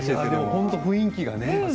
本当に雰囲気がね。